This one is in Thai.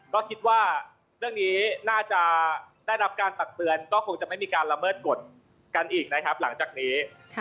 ก็คิดว่าเรื่องนี้น่าจะได้รับการตักเตือนก็คงจะไม่มีการละเมิดกฎกันอีกนะครับหลังจากนี้